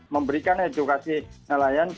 memberikan edukasi nelayan